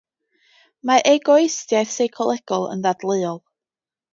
Mae egoistiaeth seicolegol yn ddadleuol.